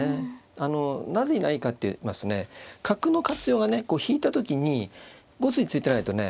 あのなぜいないかって言いますとね角の活用はね引いた時に５筋突いてないとね